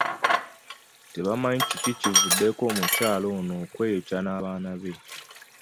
Tebamanyi kiki kivuddeko mukyala ono kweyokya n’abaana be.